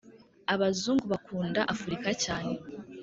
abazungu bakunda afurika cyane